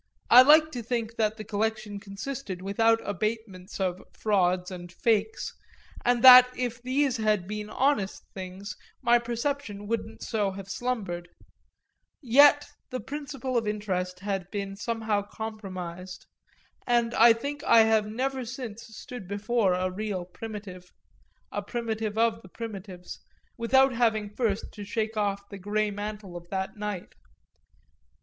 I like to think that the collection consisted without abatement of frauds and "fakes" and that if these had been honest things my perception wouldn't so have slumbered; yet the principle of interest had been somehow compromised, and I think I have never since stood before a real Primitive, a primitive of the primitives, without having first to shake off the grey mantle of that night.